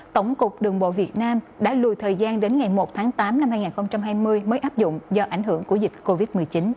tổng cục đường bộ việt nam đã lùi thời gian đến ngày một tháng tám năm hai nghìn hai mươi mới áp dụng do ảnh hưởng của dịch covid một mươi chín